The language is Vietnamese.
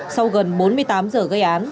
sau gần bốn mươi tám giờ gây án